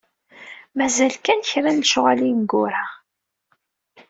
Mazal kan, kra n lecɣal ineggura.